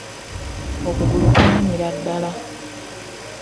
Okugulu kunnumira ddala.